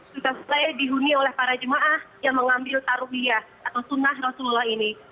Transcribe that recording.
sudah mulai dihuni oleh para jemaah yang mengambil taruhiyah atau sunnah rasulullah ini